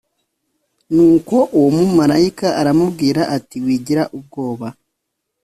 Nuko uwo mumarayika aramubwira ati wigira ubwoba